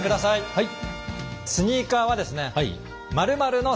はい。